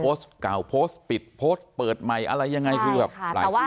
โพสต์เก่าโพสต์ปิดโพสต์เปิดใหม่อะไรยังไงคือหลายชื่อเหมือนกัน